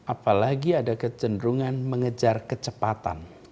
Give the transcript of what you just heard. apalagi ada kecenderungan mengejar kecepatan